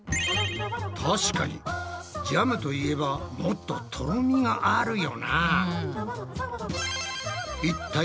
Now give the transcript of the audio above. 確かにジャムといえばもっととろみがあるよな。